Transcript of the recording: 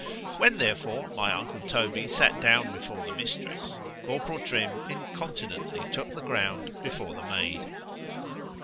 When therefore my uncle Toby sat down before the mistress—corporal Trim incontinently took ground before the maid.